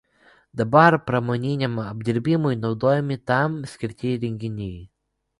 Dabar pramoniniam apdirbimui naudojami tam skirti įrengimai.